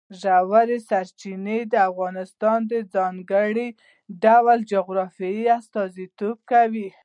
ژورې سرچینې د افغانستان د ځانګړي ډول جغرافیه استازیتوب کوي.